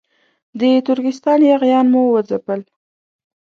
د ترکستان یاغیان مو وځپل.